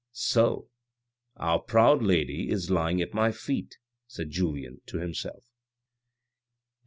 "So our proud lady is lying at my feet," said Julien to himself.